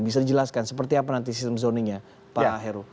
bisa dijelaskan seperti apa nanti sistem zoningnya pak heru